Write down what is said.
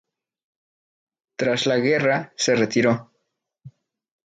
Tras la Guerra se retiró.